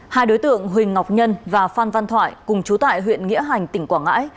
hai đối tượng huỳnh ngọc nhân và phan văn thoại cùng chú tại huyện nghĩa hành tỉnh quảng ngãi